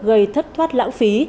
gây thất thoát lãng phí